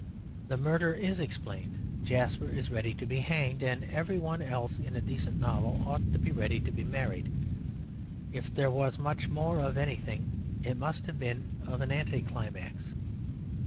The murder is explained. Jasper is ready to be hanged, and every one else in a decent novel ought to be ready to be married. If there was to be much more of anything, it must have been of anticlimax.